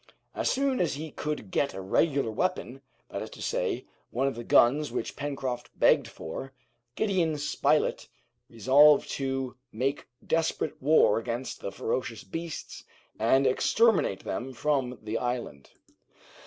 As soon as he could get a regular weapon, that is to say, one of the guns which Pencroft begged for, Gideon Spilett resolved to make desperate war against the ferocious beasts, and exterminate them from the island.